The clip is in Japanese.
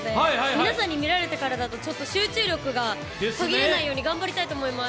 皆さんに見られてからだと集中力が途切れないよう頑張ります。